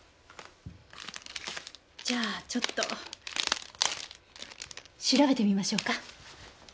じゃあちょっと調べてみましょうか。